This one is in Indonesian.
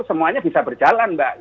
semuanya bisa berjalan mbak